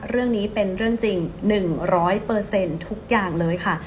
เรื่องนี้เป็นเรื่องจริง๑๐๐ทุกอย่างเลยค่ะ